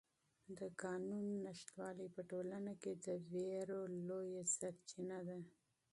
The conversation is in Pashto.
د قانون نشتوالی په ټولنه کې د وېرو لویه سرچینه ده.